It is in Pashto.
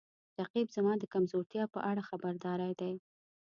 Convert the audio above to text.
رقیب زما د کمزورتیاو په اړه خبرداری دی